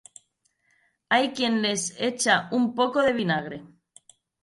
Hay quien les echa un poco de vinagre.